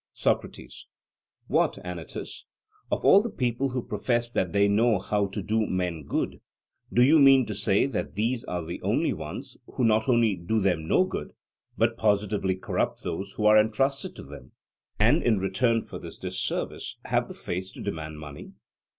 SOCRATES: What, Anytus? Of all the people who profess that they know how to do men good, do you mean to say that these are the only ones who not only do them no good, but positively corrupt those who are entrusted to them, and in return for this disservice have the face to demand money?